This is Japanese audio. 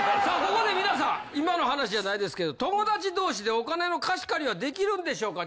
ここで皆さん今の話じゃないですけど友達同士でお金の貸し借りはできるんでしょうか？